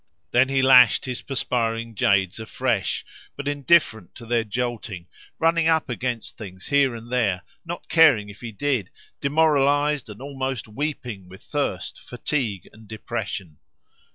Then he lashed his perspiring jades afresh, but indifferent to their jolting, running up against things here and there, not caring if he did, demoralised, and almost weeping with thirst, fatigue, and depression.